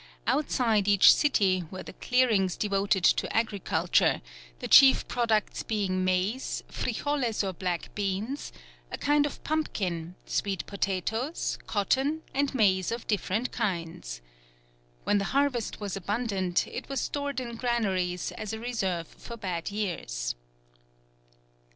Outside each city were the clearings devoted to agriculture, the chief products being maize, frijoles or black beans, a kind of pumpkin, sweet potatoes, cotton, and maize of different kinds. When the harvest was abundant it was stored in granaries as a reserve for bad years.